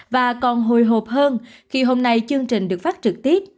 và còn hồi hộp hơn khi hôm nay chương trình được phát trực tiếp